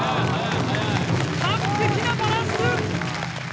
完璧なバランス。